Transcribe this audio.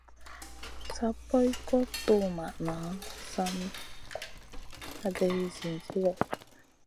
Sa poy guʼ tuwmaʼna, sa nan haday zinzi lèh.